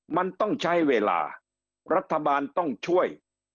มันต้องใช้เวลารัฐบาลต้องช่วย